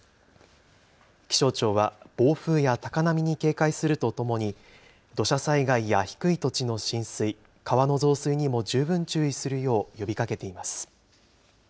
気象庁は暴風や高波に警戒するとともに、土砂災害や低い土地の浸水、川の増水にも十分注意するよう呼びかけています。